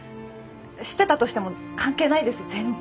知ってたとしても関係ないです全然。